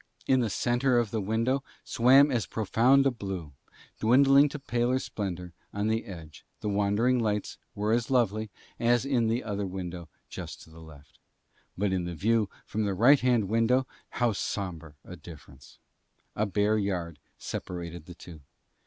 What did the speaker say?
In the centre of the window swam as profound a blue, dwindling to paler splendour at the edge, the wandering lights were as lovely, as in the other window just to the left; but in the view from the right hand window how sombre a difference. A bare yard separated the two.